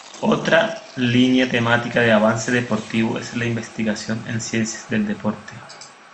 Otra línea temática de Avance Deportivo es la investigación en ciencias del deporte.